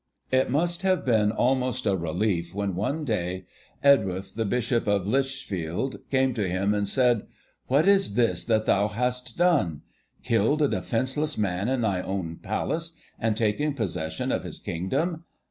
It must have been almost a relief when one day Eadwulf, Bishop of Lichfield, came to him and said: 'What is this that thou hast done? Killed a defenceless man in thine own Palace, and taken possession of his Kingdom.